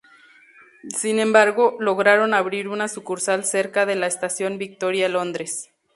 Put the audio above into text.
Sin embargo, lograron abrir una sucursal cerca de la Estación Victoria, Londres.